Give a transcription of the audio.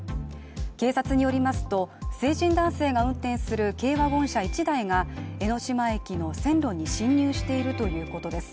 警察によりますと、成人男性が運転する軽ワゴン車１台が江ノ島駅の線路に進入しているということです